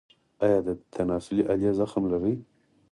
ایا د تناسلي آلې زخم لرئ؟